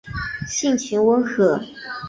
性情温和。